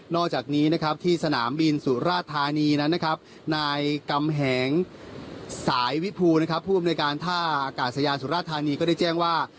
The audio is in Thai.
อกจากนี้นะครับที่สนามบินสุราธานีนั้นนะครับนายกำแหงสายวิภูนะครับผู้อำนวยการท่าอากาศยานสุราธานีก็ได้แจ้งว่า